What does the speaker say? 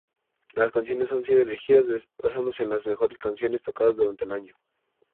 Las canciones han sido elegidas basándose en las mejores canciones tocadas durante el año.